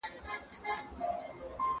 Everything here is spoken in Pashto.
اوبه پاکه کړه!.